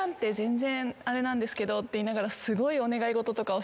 って言いながら。